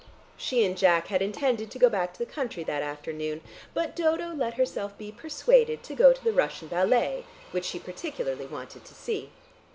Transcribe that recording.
She and Jack had intended to go back to the country that afternoon, but Dodo let herself be persuaded to go to the Russian ballet, which she particularly wanted to see.